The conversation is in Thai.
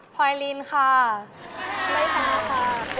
พรอยลินค่ะใบชาค่ะ